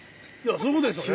そういうことですよね。